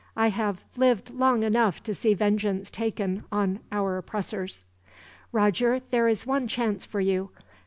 I have lived long enough to see vengeance taken on our oppressors. "Roger, there is one chance for you.